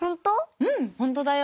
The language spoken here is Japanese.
うんホントだよ。